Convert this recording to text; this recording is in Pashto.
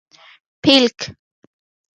🦃 پېلک